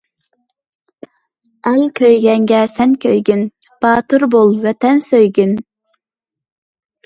ئەل كۆيگەنگە سەن كۆيگىن، باتۇر بول، ۋەتەن سۆيگىن.